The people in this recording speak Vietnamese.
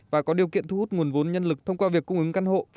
và có điều kiện thu hút nguồn vốn nhân lực thông qua việc cung ứng căn hộ